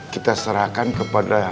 kita serahkan kepada